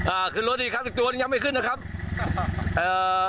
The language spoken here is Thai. อ่าขึ้นรถอีกครับอีกตัวหนึ่งยังไม่ขึ้นนะครับเอ่อ